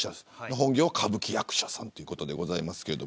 本業は歌舞伎役者さんということですけど。